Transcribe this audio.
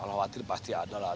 ya kalau khawatir pasti ada lah